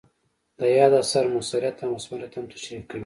د یاد اثر مؤثریت او مثمریت هم تشریح کوي.